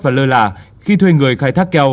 và lơ là khi thuê người khai thác keo